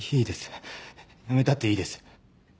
辞めたっていいです。